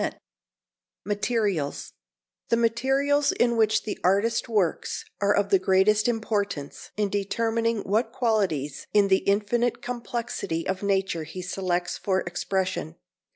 XX MATERIALS The materials in which the artist works are of the greatest importance in determining what qualities in the infinite complexity of nature he selects for expression.